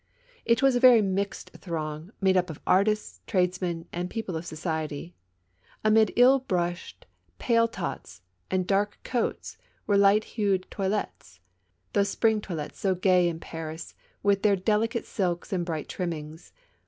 '' It was a very mixed throng, made up of artists, trades people and people of society. Amid ill brushed pale tots and dark coats were light hued toilets, those spring toilets so gay in Paris, with their delicate silks and bright trimmings.